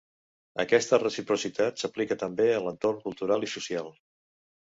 Aquesta reciprocitat s'aplica també a l'entorn cultural i social.